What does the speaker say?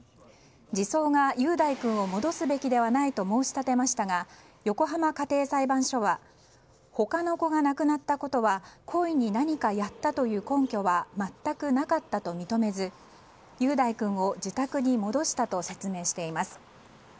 児相が雄大君を戻すべきではないと申し立てましたが横浜家庭裁判所は他の子が亡くなったことは故意に何かやったという根拠は全くなかったと認めず雄大君を自宅に戻したと説明しています。